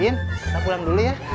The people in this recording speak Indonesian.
kita pulang dulu ya